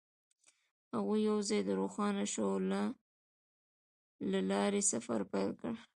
هغوی یوځای د روښانه شعله له لارې سفر پیل کړ.